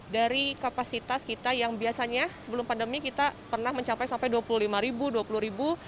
dari kapasitas kita yang biasanya sebelum pandemi kita pernah mencapai sampai dua puluh lima ribu dua puluh ribu